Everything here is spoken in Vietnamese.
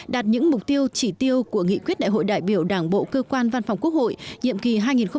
đạt những mục tiêu chỉ tiêu của nghị quyết đại hội đại biểu đảng bộ cơ quan văn phòng quốc hội nhiệm kỳ hai nghìn hai mươi hai nghìn hai mươi